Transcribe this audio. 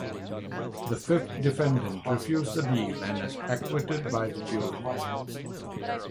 The fifth defendant refused the deal and was acquitted by the jury.